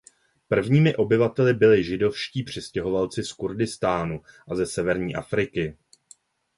Prvními obyvateli byli židovští přistěhovalci z Kurdistánu a ze severní Afriky.